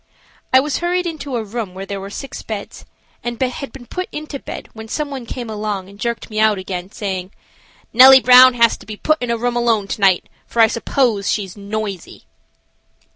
I was hurried into a room where there were six beds, and had been put into bed when some one came along and jerked me out again, saying: "Nellie Brown has to be put in a room alone to night, for I suppose she's noisy."